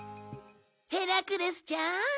ヘラクレスちゃーん。